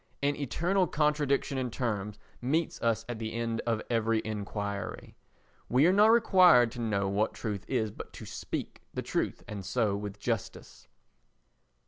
An eternal contradiction in terms meets us at the end of every enquiry. We are not required to know what truth is, but to speak the truth, and so with justice.